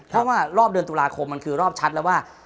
เพราะว่ารอบเดือนตุลาคมมันคือรอบชัดแล้วว่า